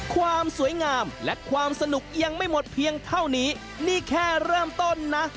ความสวยงามและความสนุกยังไม่หมดเพียงเท่านี้นี่แค่เริ่มต้นนะ